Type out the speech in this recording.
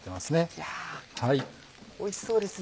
いやおいしそうですね。